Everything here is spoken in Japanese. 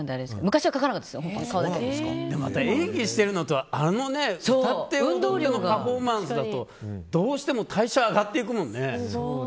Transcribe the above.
演技してるのと歌って踊るあのパフォーマンスだとどうしても代謝が上がっていくもんね。